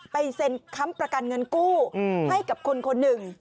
เซ็นค้ำประกันเงินกู้ให้กับคนคนหนึ่ง